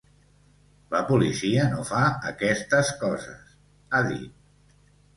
La policia no fa aquestes coses, ha dit.